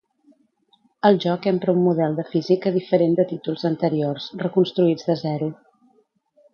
El joc empra un model de física diferent de títols anteriors, reconstruïts de zero.